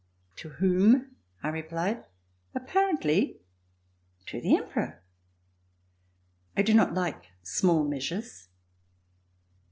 ^" ''To whom?" I replied, "apparently to the Emperor. I do not like small measures."